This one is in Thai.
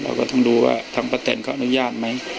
ถ้าใครอยากรู้ว่าลุงพลมีโปรแกรมทำอะไรที่ไหนยังไง